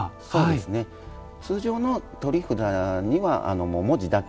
通常の取り札には文字だけ。